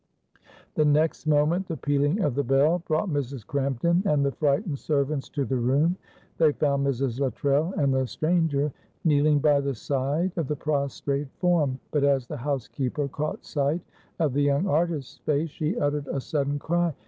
The next moment the pealing of the bell brought Mrs. Crampton and the frightened servants to the room. They found Mrs. Luttrell and the stranger kneeling by the side of the prostrate form; but as the housekeeper caught sight of the young artist's face, she uttered a sudden cry.